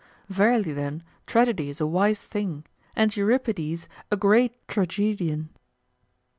Verily, then, tragedy is a wise thing and Euripides a great tragedian.